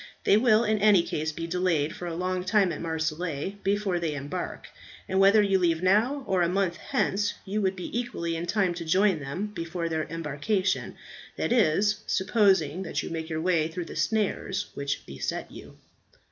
They will in any case be delayed for a long time at Marseilles before they embark; and whether you leave now or a month hence, you would be equally in time to join them before their embarkation that is, supposing that you make your way through the snares which beset you."